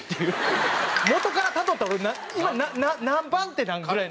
元からたどったら俺今何番手なん？ぐらいの。